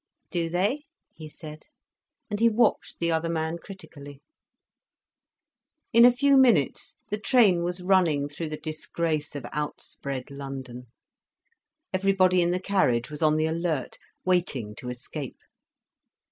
"Do they?" he said. And he watched the other man critically. In a few minutes the train was running through the disgrace of outspread London. Everybody in the carriage was on the alert, waiting to escape.